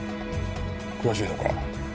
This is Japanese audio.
詳しいのか？